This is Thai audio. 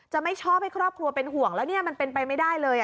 ไม่ชอบให้ครอบครัวเป็นห่วงแล้วเนี่ยมันเป็นไปไม่ได้เลย